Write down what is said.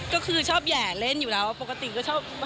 ก็คือชอบแห่เล่นอยู่แล้วปกติก็ชอบ